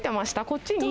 こっちに。